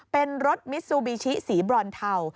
เป็นรถมิซูบิชิสีบรอนเทา